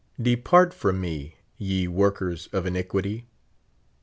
Depart from me, yt workers of iniquity.